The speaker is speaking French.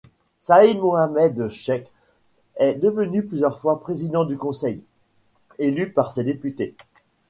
Saïd Mohamed Cheikh est devenu plusieurs fois président du Conseil, élu par ces députés.